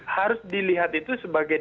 harus dilihat itu sebagai